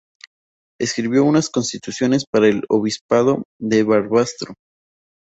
Escribió unas constituciones para el obispado de Barbastro.